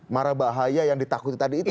marah bahaya yang ditakuti tadi itu